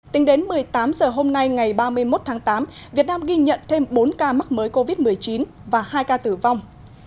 tính đến một mươi tám h hôm nay ngày ba mươi một tháng tám việt nam ghi nhận thêm bốn ca mắc mới covid một mươi chín và hai ca tử vong